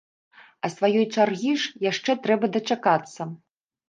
А сваёй чаргі ж яшчэ трэба дачакацца!